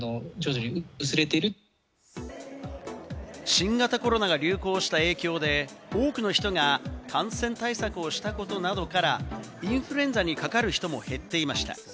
新型コロナが流行した影響で、多くの人が感染対策をしたことなどから、インフルエンザにかかる人も減っていました。